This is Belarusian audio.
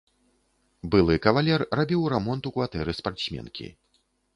Былы кавалер рабіў рамонт у кватэры спартсменкі.